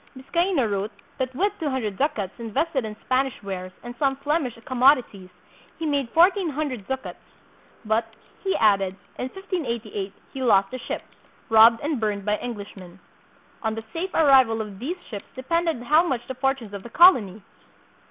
Biscaino wrote that with two hundred ducats invested in Spanish wares and some Flemish commodities, he made fourteen hundred ducats ; but, he added, in 1588 he lost a ship, robbed and burned by Englishmen. On the safe arrival of these ships depended how much of the fortunes of the colony!